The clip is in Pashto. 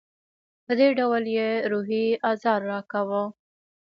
په دې ډول یې روحي آزار راکاوه.